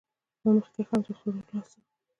ما مخکښې هم د دغه خرو د لاسه